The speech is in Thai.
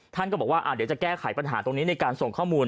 ท่านก็บอกว่าเดี๋ยวจะแก้ไขปัญหาตรงนี้ในการส่งข้อมูล